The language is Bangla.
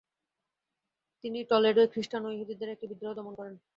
তিনি টলেডোয় খ্রিষ্টান ও ইহুদিদের একটি বিদ্রোহ দমন করেন।